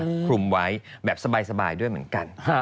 คลุมไว้แบบสบายด้วยเหมือนกัน